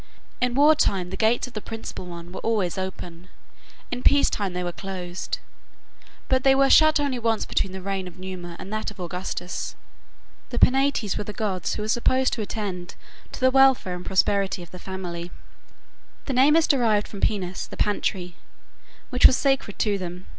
In war time the gates of the principal one were always open. In peace they were closed; but they were shut only once between the reign of Numa and that of Augustus. The Penates were the gods who were supposed to attend to the welfare and prosperity of the family. Their name is derived from Penus, the pantry, which was sacred to them.